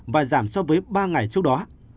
và giảm so với ba ngày trước đó